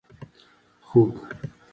🐖 خوګ